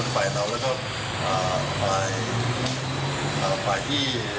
ปภัยที่